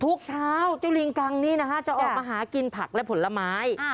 ทุกเช้าเจ้าลิงกังนี้นะคะจะออกมาหากินผักและผลไม้